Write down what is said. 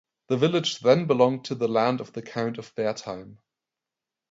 The village then belonged to the land of the count of Wertheim.